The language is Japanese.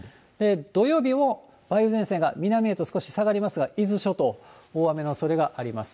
土曜日も梅雨前線が南へと少し下がりますが、伊豆諸島、大雨のおそれがあります。